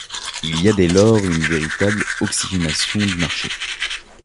Il y a dès lors une véritable oxygénation du marché.